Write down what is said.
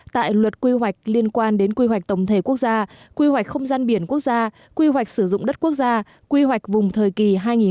tại luật quy hoạch liên quan đến quy hoạch tổng thể quốc gia quy hoạch không gian biển quốc gia quy hoạch sử dụng đất quốc gia quy hoạch vùng thời kỳ hai nghìn hai mươi một hai nghìn ba mươi